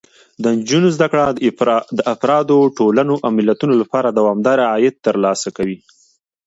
د نجونو زده کړه د افرادو، ټولنو او ملتونو لپاره دوامداره عاید ترلاسه کوي.